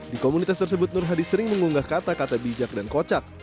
di komunitas tersebut nur hadi sering mengunggah kata kata bijak dan kocak